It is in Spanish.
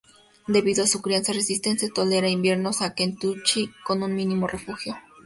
Debido a su crianza resistente, tolera inviernos en Kentucky con un mínimo refugio.